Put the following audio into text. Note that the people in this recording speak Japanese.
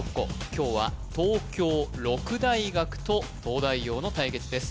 今日は東京六大学と東大王の対決です